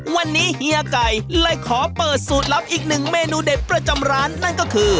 วันนี้เฮียไก่เลยขอเปิดสูตรลับอีกหนึ่งเมนูเด็ดประจำร้านนั่นก็คือ